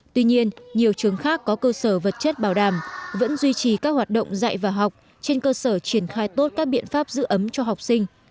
tuy nhiên nhiều trường khác có cơ sở vật chất bảo đảm vẫn duy trì các hoạt động dạy và học trên cơ sở triển khai tốt các biện pháp giữ ấm cho học sinh